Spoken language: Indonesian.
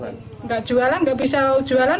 tidak jualan nggak bisa jualan